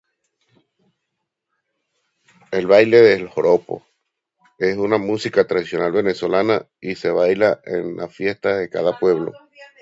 El baile del Joropo. Es una música tradicional venezolana y se baila en las fiestas de cada pueblo.